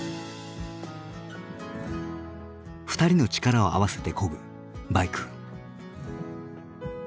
２人の力を合わせてこぐ「バイク」。